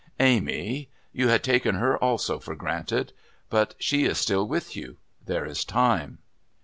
Amy.... You had taken her also for granted. But she is still with you. There is time."